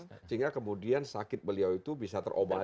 sehingga kemudian sakit beliau itu bisa terobati